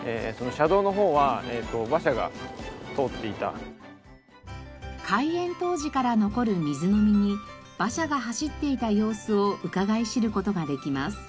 これは開園当時から残る水飲みに馬車が走っていた様子をうかがい知る事ができます。